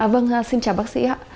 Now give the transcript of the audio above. vâng xin chào bác sĩ